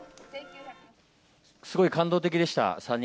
すごい感動的でした。